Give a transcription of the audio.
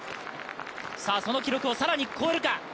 その記録を更に超えるか。